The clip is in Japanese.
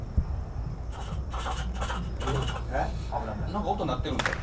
なんか音鳴ってるんですよ。